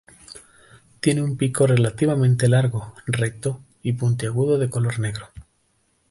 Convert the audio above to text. Tiene un pico relativamente largo, recto y puntiagudo de color negro.